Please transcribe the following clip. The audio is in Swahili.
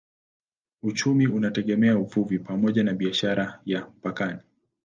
Uchumi unategemea uvuvi pamoja na biashara ya mpakani.